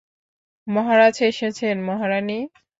মহারাজ এসেছেন, মহারানী।